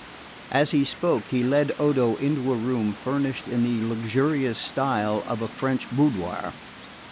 As he spoke he led Odo into a room furnished in the luxurious style of a French boudoir.